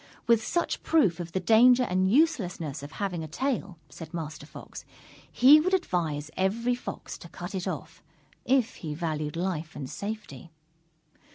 With such proof of the danger and uselessness of having a tail, said Master Fox, he would advise every Fox to cut it off, if he valued life and safety.